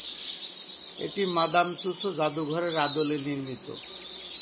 এটি Madame Tussauds জাদুঘরের আদলে নির্মিত।